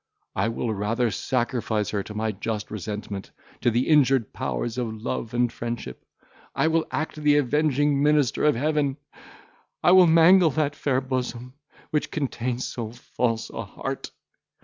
I will rather sacrifice her to my just resentment, to the injured powers of love and friendship. I will act the avenging minister of Heaven! I will mangle that fair bosom, which contains so false a heart!